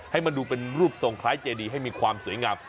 ให้มันดูเป็นรูปทรงคล้ายเจดีให้มีความสวยงาม